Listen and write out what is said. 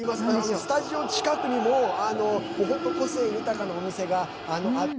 スタジオ近くにも個性豊かなお店があって。